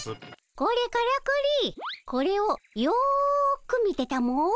これからくりこれをよく見てたも。